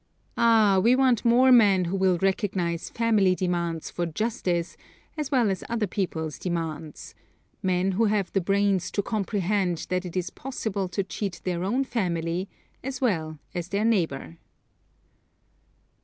Ah! we want more men who will recognize family demands for justice, as well as other people's demands men who have the brains to comprehend that it is possible to cheat their own family as well as their neighbor.